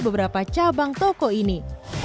beberapa cabang toko ini